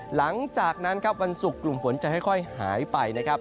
หลังจากนั้นครับวันศุกร์กลุ่มฝนจะค่อยหายไปนะครับ